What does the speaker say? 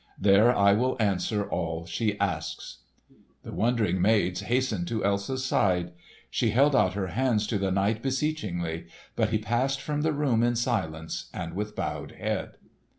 There I will answer all she asks." The wondering maids hastened to Elsa's side. She held out her hands to the knight beseechingly, but he passed from the room in silence and with bowed head.